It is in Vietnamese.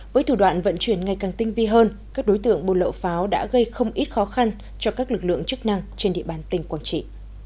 với thủ đoạn vận chuyển ngày càng tinh vi hơn các đối tượng buôn lậu pháo đã gây không ít khó khăn cho các lực lượng chức năng trên địa bàn tỉnh quảng trị